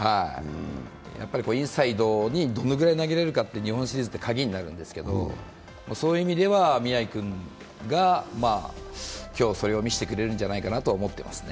インサイドにどのくらい投げれるかって日本シリーズは鍵になるんですけどそういう意味では宮城君が今日、それを見せてくれるんじゃないかと思ってますね。